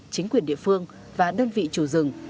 chính quyền địa phương và đơn vị chủ rừng